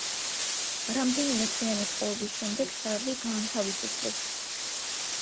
რამდენიმეთვიანი ტყვეობის შემდეგ შარლი გაანთავისუფლეს.